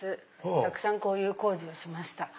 たくさんこういう工事をしました。